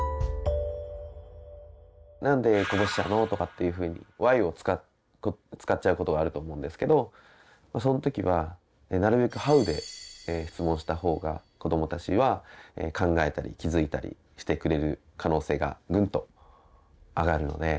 「なんでこぼしちゃうの？」とかっていうふうに「ＷＨＹ」を使っちゃうことがあると思うんですけどそのときはなるべく「ＨＯＷ」で質問した方が子どもたちは考えたり気づいたりしてくれる可能性がグンと上がるので。